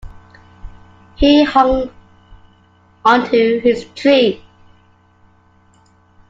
He hung on to his tree.